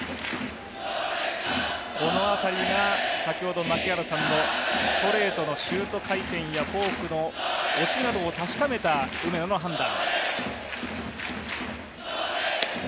この辺りが先ほど、槙原さんのストレートのシュート回転やフォークの落ちなどを確かめた梅野の判断。